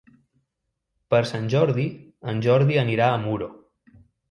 Per Sant Jordi en Jordi anirà a Muro.